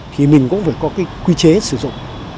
thì mình cũng phải có cái quy chế sử dụng